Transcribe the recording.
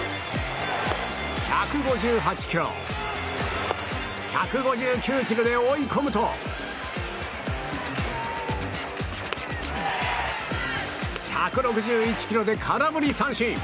１５８キロ１５９キロで追い込むと１６１キロで空振り三振！